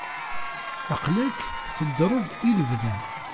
Aql-ak teddreḍ i lebda.